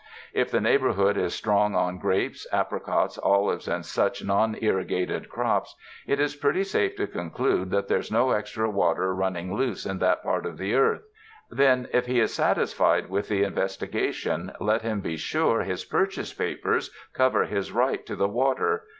If the neighbor hood is strong on grapes, apricots, olives and such non irrigated crops, it is pretty safe to conclude that there's no extra water running loose in that part of the earth. Then if he is satisfied with the investi gation, let him be sure his purchase papers cover his right to the water.